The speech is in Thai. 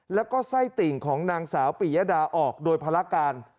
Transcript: แล้วก็ไส้ติ่งของนางสาวปิยดาออกโดยภารการ